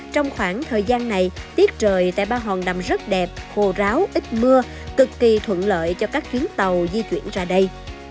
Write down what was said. trong khoảng thời gian này tiết trời tại ba hòn nằm rất đẹp khô ráo ít mưa cực kỳ thuận lợi cho các chuyến tàu di chuyển ra đây